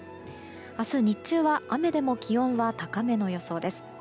明日日中は雨でも気温は高めの予想です。